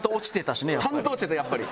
ちゃんと落ちてたやっぱり。